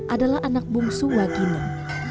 adalah anak bungsu waginem